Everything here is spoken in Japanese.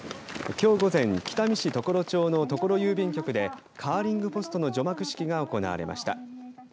きょう午前北見市常呂町の常呂郵便局でカーリングポストの除幕式が行われました。